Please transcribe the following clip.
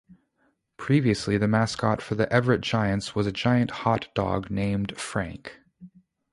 Previously, the mascot for the Everett Giants was a giant hot dog named Frank.